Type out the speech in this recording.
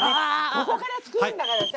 ここから作るんだからさ。